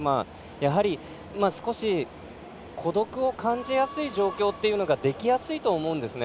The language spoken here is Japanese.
やはり、少し孤独を感じやすい状況というのができやすいと思うんですね。